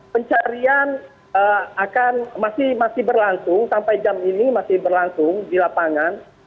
pencarian akan masih berlangsung sampai jam ini masih berlangsung di lapangan